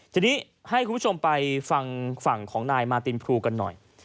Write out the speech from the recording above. ทีนี้ให้คุณผู้ชมไปฟังฝั่งของนายมาตินพลูกันหน่อย